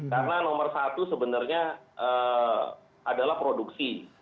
karena nomor satu sebenarnya adalah produksi